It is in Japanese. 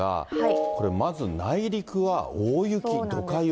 これまず内陸は大雪、どか雪。